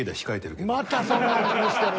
またそんなん気にしてる。